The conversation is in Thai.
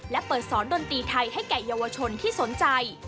และเปิดสอนดนตรีไทยให้แก่เยาวชนที่สนใจ